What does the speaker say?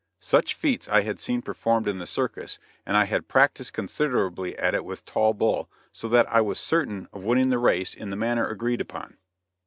Such feats I had seen performed in the circus and I had practiced considerably at it with Tall Bull, so that I was certain of winning the race in the manner agreed upon.